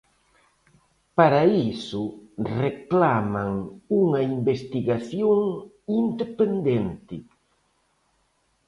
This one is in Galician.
Para iso, reclaman unha investigación independente.